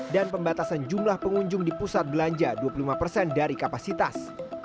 dan pembatasan jumlah pengunjung di pusat belanja dua puluh lima persen dari kapasitas